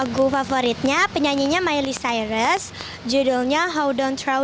lagu favoritnya penyanyinya miley cyrus judulnya how don't trow don